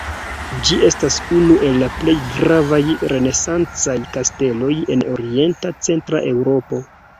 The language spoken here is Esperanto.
Ĝi estas unu el la plej gravaj renesancaj kasteloj en orienta centra Eŭropo.